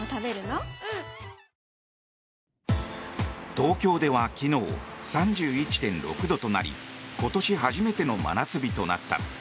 東京では昨日３１．６度となり今年初めての真夏日となった。